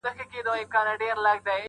په پای کي هر څه بې ځوابه پاتې کيږي,